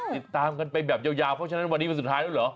ติดตามกันไปแบบยาวเพราะฉะนั้นวันนี้วันสุดท้ายแล้วเหรอ